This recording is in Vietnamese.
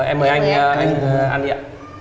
em mời anh ăn đi ạ